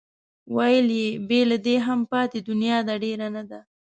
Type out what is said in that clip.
ویل یې بې له دې هم پاتې دنیا ده ډېره نه ده.